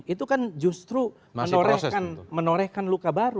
itu kan justru menorehkan luka baru